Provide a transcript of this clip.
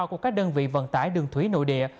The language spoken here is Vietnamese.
của các đơn vị vận tải đường thủy nội địa